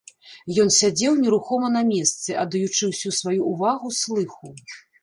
Ён сядзеў нерухома на месцы, аддаючы ўсю сваю ўвагу слыху.